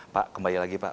pak kembali lagi pak